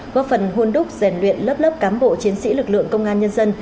góp phần hôn đúc rèn luyện lớp lớp cán bộ chiến sĩ lực lượng công an nhân dân